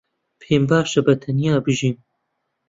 پێم باشە بەتەنیا بژیم.